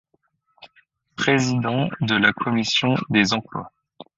Président de la Commission des emplois.